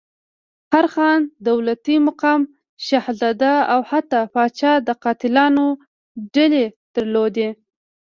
هر خان، دولتي مقام، شهزاده او حتی پاچا د قاتلانو ډلې درلودلې.